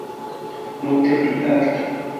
Multe pli alta.